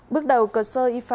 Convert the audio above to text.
bước đầu cờ sơ y pháo khai nhận